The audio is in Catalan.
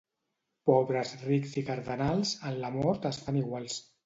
Pobres, rics i cardenals, en la mort es fan iguals.